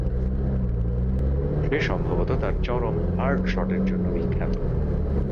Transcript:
সে সম্ভবত তার চরম হার্ড শটের জন্য বিখ্যাত।